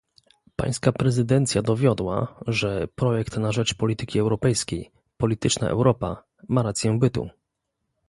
Pańska prezydencja dowiodła, że projekt na rzecz polityki europejskiej, polityczna Europa, ma rację bytu